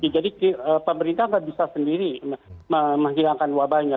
jadi pemerintah nggak bisa sendiri menghilangkan wabahnya